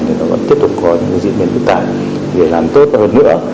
thì nó vẫn tiếp tục có những diễn biến tự tạng để làm tốt hơn nữa